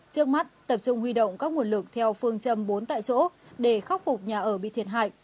trước mắt tập trung huy động các nguồn lực theo phương châm bốn tại chỗ để khắc phục nhà ở bị thiệt hại